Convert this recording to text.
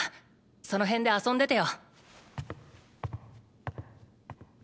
その辺で遊んでてよ。